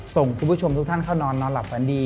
ส่งคุณผู้ชมทุกท่านเข้านอนนอนหลับฝันดี